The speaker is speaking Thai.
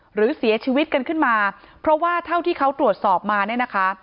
หรือเสียชีวิตกันขึ้นมาเพราะว่าเท่าที่เขาตรวจสอบมาเนี่ยนะคะ